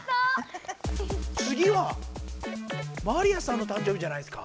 つぎはマリアさんの誕生日じゃないですか？